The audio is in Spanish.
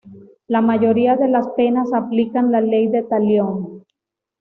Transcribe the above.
La mayoría de las penas aplican la ley del talión.